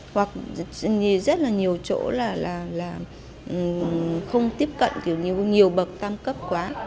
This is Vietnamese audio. hoặc rất là nhiều chỗ là không tiếp cận nhiều bậc tăng cấp quá